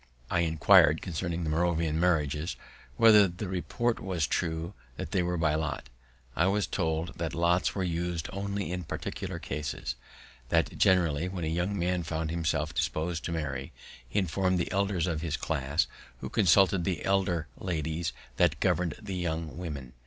I inquir'd concerning the Moravian marriages, whether the report was true that they were by lot. I was told that lots were us'd only in particular cases; that generally, when a young man found himself dispos'd to marry, he inform'd the elders of his class, who consulted the elder ladies that govern'd the young women.